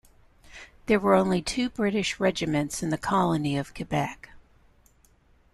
There were only two British regiments in the colony of Quebec.